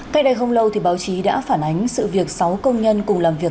cách đây không lâu thì báo chí đã phản ánh sự việc sáu công nhân cùng làm việc